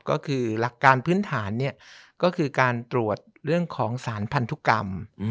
ก็คือหลักการพื้นฐานก็คือการตรวจเรื่องของสารพันธุกรรม